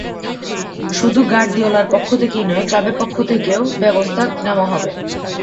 শুধু গার্দিওলার পক্ষ থেকেই নয়, ক্লাবের পক্ষ থেকেও ব্যবস্থা নেওয়া হবে।